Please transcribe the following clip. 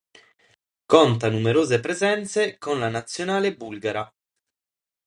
Conta numerose presenze con la Nazionale bulgara.